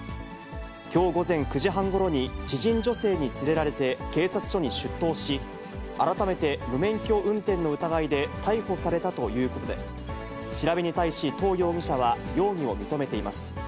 きょう午前９時半ごろに知人女性に連れられて警察署に出頭し、改めて無免許運転の疑いで逮捕されたということで、調べに対し、唐容疑者は容疑を認めています。